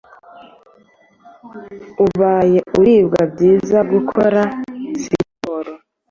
ubaye uribwa byiza gukora siporo